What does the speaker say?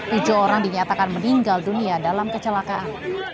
tujuh orang dinyatakan meninggal dunia dalam kecelakaan